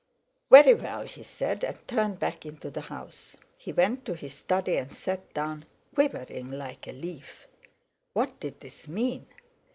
"Very well," he said, and turned back into the house. He went to his study and sat down, quivering like a leaf. What did this mean?